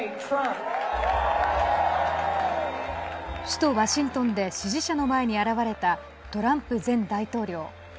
首都ワシントンで支持者の前に現れたトランプ前大統領。